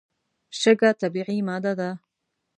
شګه طبیعي ماده ده.